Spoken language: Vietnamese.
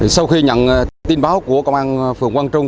sau khi nhận tin báo của công an phường quang trung